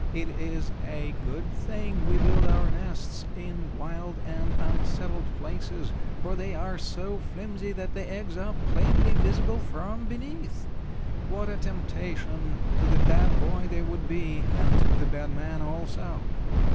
It is a good thing we build our nests in wild and unsettled places, for they are so flimsy that the eggs are plainly visible from beneath. What a temptation to the bad boy they would be, and to the bad man, also!